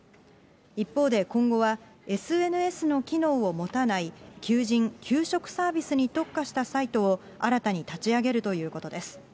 一方で今後は、ＳＮＳの機能を持たない求人・求職サービスに特化したサイトを新たに立ち上げるということです。